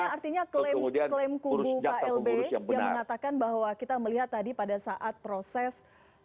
artinya klaim kubu klb yang menyatakan bahwa kita melihat tadi pada saat proses